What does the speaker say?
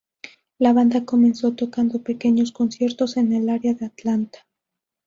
La banda comenzó tocando pequeños conciertos en el área de Atlanta.